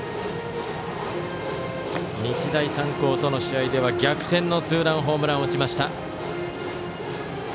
日大三高との試合では逆転のツーランホームランを打ちました。